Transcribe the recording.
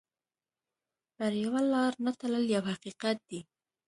پر یوه لار نه تلل یو حقیقت دی.